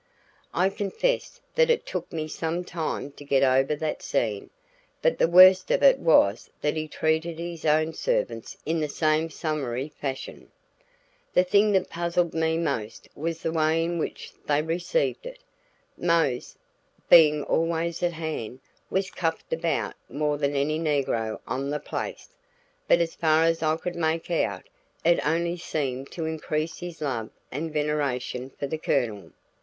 I confess that it took me some time to get over that scene. But the worst of it was that he treated his own servants in the same summary fashion. The thing that puzzled me most was the way in which they received it. Mose, being always at hand, was cuffed about more than any negro on the place, but as far as I could make out, it only seemed to increase his love and veneration for the Colonel.